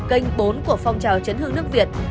kênh bốn của phong trào chấn hương nước việt